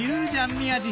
宮治